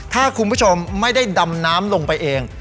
ถ้าคุณผู้ชมไม่ได้ดำน้ำลงไปเอง